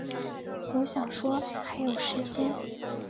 我想说还有时间